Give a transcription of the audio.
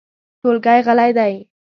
ټولګی غلی دی .